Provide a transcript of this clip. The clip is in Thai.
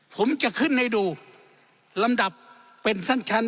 ผมจะขึ้นให้ดูลำดับเป็นสั้น